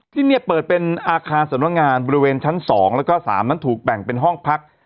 ที่นี่เปิดเป็นอาคารสำนักงานบริเวณชั้น๒แล้วก็๓นั้นถูกแบ่งเป็นห้องพัก